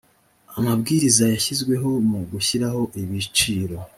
amabwiriza yashyizweho mu gushyiraho ibiciro